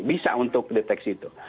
bisa untuk deteksi itu